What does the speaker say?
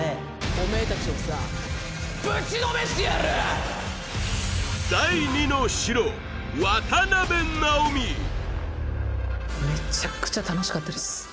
おめえたちをさぶちのめしてやるめちゃくちゃ楽しかったです